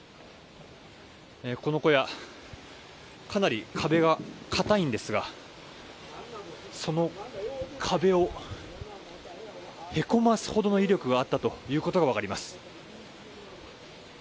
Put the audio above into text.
この小屋かなり壁が硬いんですがその壁をへこますほどの威力があったことが分かります。